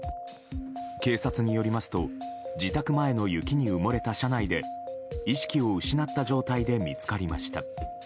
警察によりますと自宅前の雪に埋もれた車内で意識を失った状態で見つかりました。